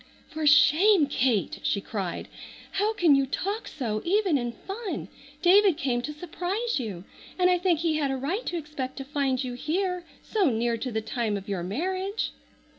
"For shame, Kate!" she cried. "How can you talk so, even in fun! David came to surprise you, and I think he had a right to expect to find you here so near to the time of your marriage."